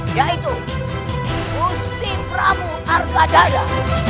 yaitu gusti prabu argadana